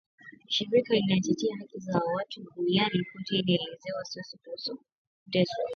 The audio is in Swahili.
shirika inatetea haki za watu duniani kote inaelezea wasiwasi kuhusu kuteswa wafungwa nchini Uganda.